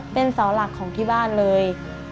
เป็นเสาหลักของที่บ้านเลย